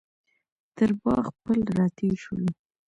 تر باغ پل راتېر شولو.